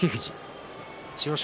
千代翔